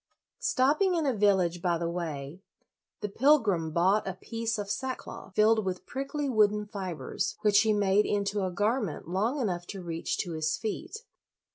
Stopping in a village by the way, the pilgrim bought a piece of sackcloth, filled with prickly wooden fibers, which he made into a garment long enough to reach to his feet.